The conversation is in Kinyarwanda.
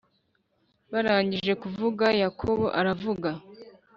Barangije kuvuga Yakobo aravuga